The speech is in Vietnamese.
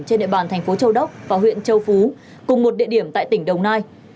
trên địa bàn thành phố châu đốc và huyện châu phú cùng một địa điểm tại tỉnh đồng nai